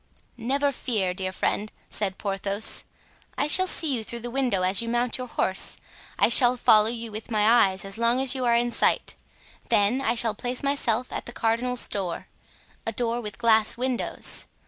"Never fear, dear friend," said Porthos. "I shall see you through the window as you mount your horse; I shall follow you with my eyes as long as you are in sight; then I shall place myself at the cardinal's door—a door with glass windows.